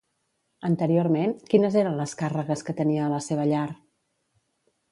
Anteriorment, quines eren les càrregues que tenia a la seva llar?